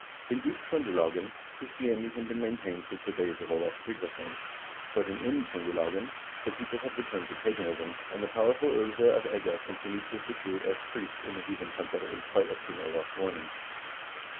In Uttr0ndelagen Chris tianity had been maintained since the days of Olav Tryggvason. but in Indtr0ndelagen the people had returned to paganism, and the powerful 01ve of Egge continued to officiate as priest in the heathen temple in spite of King Olav's warning.